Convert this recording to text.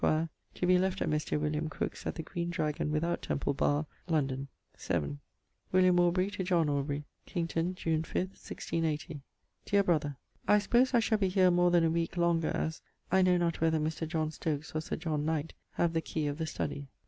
To be left at Mr. William Crooke's at the Green Dragon without Temple barr, London. vii. William Aubrey to John Aubrey. Kington, June 5th, 1680. Deare brother, I sopose I shall be here more then a week longer as ... I know not whether Mr. John Stokes or Sir John Knight have the key of the study.